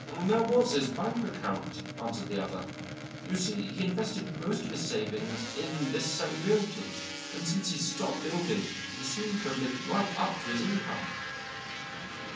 "There was his bank account," answered the other. "You see, he invested most of his savings in this same realty, and since he stopped building he seems to have lived right up to his income."